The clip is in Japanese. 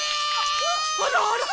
あらあら！